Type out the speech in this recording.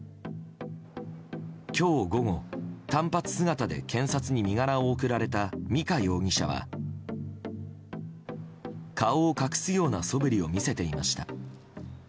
今日午後、短髪姿で検察に身柄を送られた美香容疑者は顔を隠すようなそぶりを見せていました。